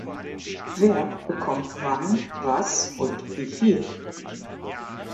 Wer bekommt wann was und wie viel?